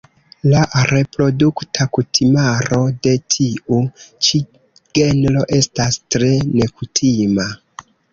La reprodukta kutimaro de tiu ĉi genro estas tre nekutima.